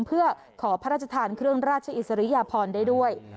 เพื่อขอพระราชทานเครื่องราชอิสริยพรได้ด้วย